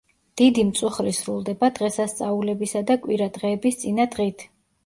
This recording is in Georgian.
დიდი მწუხრი სრულდება დღესასწაულებისა და კვირა დღეების წინა დღით.